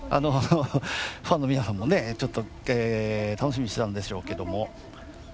ファンの皆さんもね、ちょっと楽しみにしてたんでしょうけども。